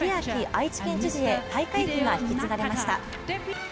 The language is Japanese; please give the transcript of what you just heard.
愛知県知事へ大会旗が引き継がれました。